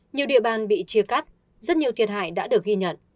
nhiều địa bàn bị chia cắt rất nhiều thiệt hại đã được ghi nhận